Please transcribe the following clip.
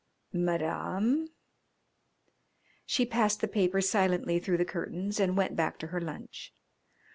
"Madame!" She passed the paper silently through the curtains and went back to her lunch.